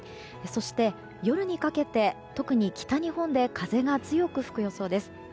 そして夜にかけて特に北日本で風が強く吹く予想です。